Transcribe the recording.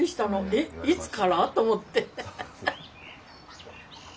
「えっいつから？」と思って。